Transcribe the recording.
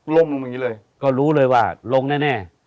ลงอย่างนี้เลยก็รู้เลยว่าลงแน่